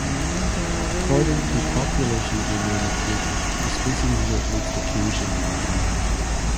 According to population genomic data the species is at least occasionally recombining.